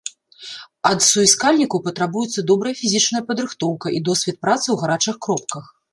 Ад суіскальнікаў патрабуецца добрая фізічная падрыхтоўка і досвед працы ў гарачых кропках.